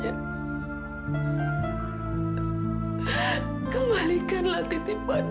lebih baik kau fitness bs saya